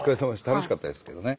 楽しかったですけどね。